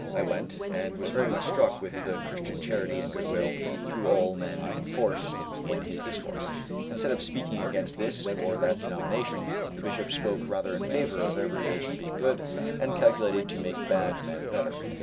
I went, and was very much struck with the Christian charity and goodwill to all men enforced in his discourse. Instead of speaking against this or that denomination, the Bishop spoke rather in favor of every religion being good, and calculated to make bad men better.